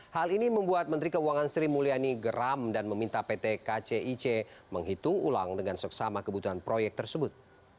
hal ini membuat menteri keuangan sri mulyani geram dan meminta pt kcic menghitung ulang dengan seksama kebutuhan proyek tersebut